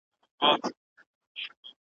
واکمن به نامحرمه د بابا د قلا نه وي .